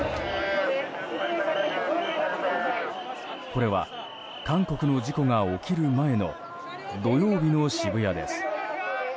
これは韓国の事故が起きる前の土曜日の渋谷です。